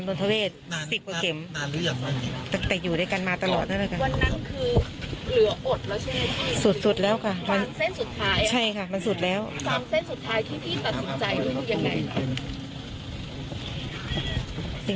ฟังเส้นสุดท้ายที่พี่ปรับสินใจด้วยอย่างไร